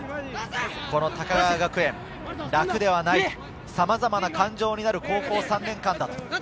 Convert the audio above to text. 高川学園、楽ではない、さまざまな感情になる高校３年間だと。